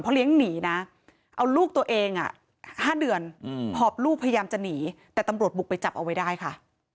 เลี้ยงหนีนะเอาลูกตัวเอง๕เดือนหอบลูกพยายามจะหนีแต่ตำรวจบุกไปจับเอาไว้ได้ค่ะ